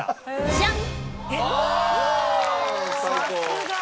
ジャン！